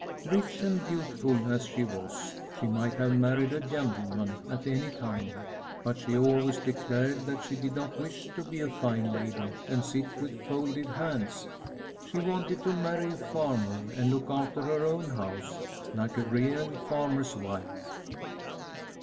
Rich and beautiful as she was, she might have married a gentleman at any time, but she always declared that she did not wish to be a fine lady and sit with folded hands. She wanted to marry a farmer and look after her own house, like a real farmer's wife.